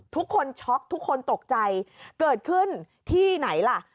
ทุกคนตกใจเกิดขึ้นที่ไหนล่ะ